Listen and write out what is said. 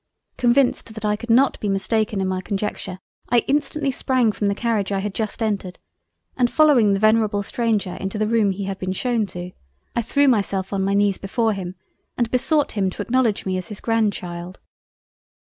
Convinced that I could not be mistaken in my conjecture I instantly sprang from the Carriage I had just entered, and following the Venerable Stranger into the Room he had been shewn to, I threw myself on my knees before him and besought him to acknowledge me as his Grand Child.